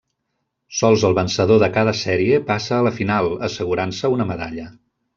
Sols el vencedor de cada sèrie passa a la final, assegurant-se una medalla.